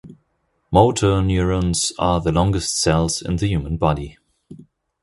Motor neurons are the longest cells in the human body.